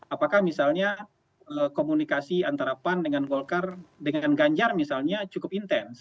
apakah misalnya komunikasi antara pan dengan golkar dengan ganjar misalnya cukup intens